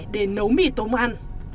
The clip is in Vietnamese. để nấu mì tôm ăn